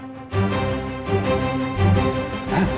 silakan pak komar